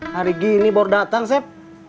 hari gini baru datang chef